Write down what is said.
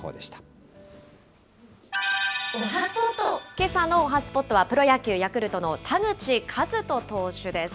けさのおはＳＰＯＴは、プロ野球・ヤクルトの田口麗斗投手です。